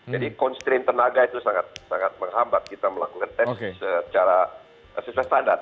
jadi constraint tenaga itu sangat menghambat kita melakukan tes secara sesuai standar